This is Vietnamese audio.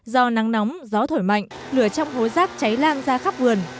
do nắng nóng gió thổi mạnh lửa trong hố rác cháy lan ra khắp vườn